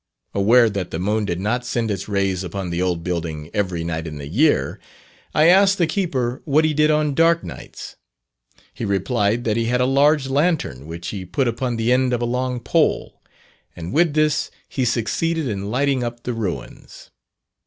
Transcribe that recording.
Aware that the moon did not send its rays upon the old building every night in the year, I asked the keeper what he did on dark nights. He replied that he had a large lantern, which he put upon the end of a long pole, and with this he succeeded in lighting up the ruins.